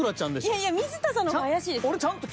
いやいや水田さんの方が怪しいですよ。